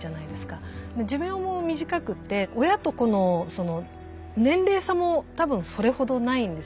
寿命も短くって親と子の年齢差も多分それほどないんですよね。